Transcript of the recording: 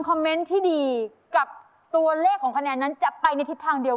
ท่านจะทำให้คุณเล็งได้ขัดรอบวันช่างนี้ทันที